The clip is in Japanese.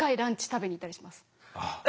食べに行ったりします。